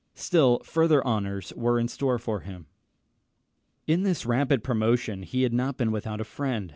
Still further honours were in store for him. In this rapid promotion he had not been without a friend.